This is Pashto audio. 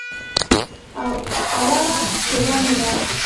اوله پېره مې ده.